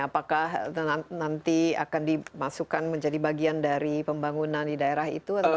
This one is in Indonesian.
apakah nanti akan dimasukkan menjadi bagian dari pembangunan di daerah itu